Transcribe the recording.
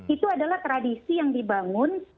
itu adalah tradisi yang dibangun